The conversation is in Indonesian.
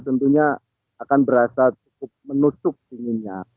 tentunya akan berasa cukup menusuk dinginnya